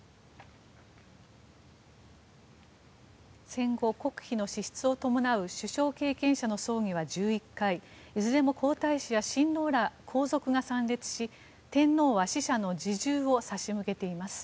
戦後、国費の支出を伴う首相経験者の葬儀は１１回いずれも皇太子や親王ら皇族が参列し天皇は使者の侍従を差し向けています。